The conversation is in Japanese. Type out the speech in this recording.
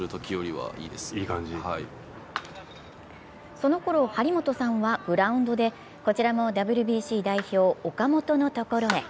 そのころ、張本さんはグラウンドでこちらもＷＢＣ代表・岡本のところへ。